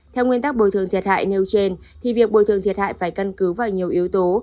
theo nguyên tắc bồi thường thiệt hại nêu trên thì việc bồi thường thiệt hại phải căn cứ vào nhiều yếu tố